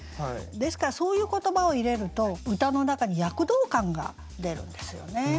ですからそういう言葉を入れると歌の中に躍動感が出るんですよね。